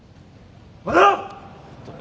まだ！